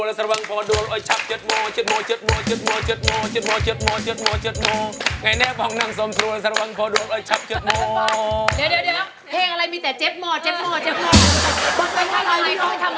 เดี๋ยวเพลงอะไรมีแต่เจ็บโมอมันเป็นอะไร